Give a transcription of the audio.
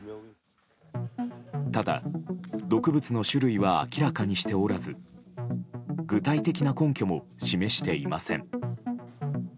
ただ、毒物の種類は明らかにしておらず具体的な根拠も示していません。